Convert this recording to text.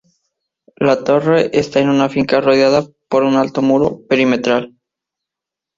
La torre está en una finca rodeada por un alto muro perimetral.